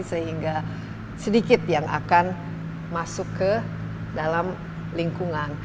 sehingga sedikit yang akan masuk ke dalam lingkungan